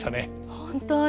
本当に。